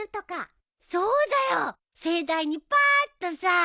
そうだよ盛大にパーッとさ。